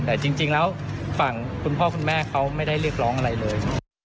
แต่จริงแล้วฝั่งคุณพ่อคุณแม่เขาไม่ได้เรียกร้องอะไรเลย